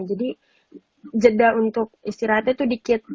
jadi jeda untuk istirahatnya tuh dikit